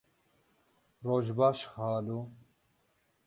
Roj baş xalo.